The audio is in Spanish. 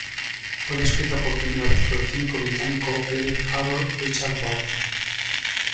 Fue descrita por primera vez por el químico británico Derek Harold Richard Barton.